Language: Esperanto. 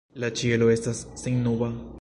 La ĉielo estas sennuba.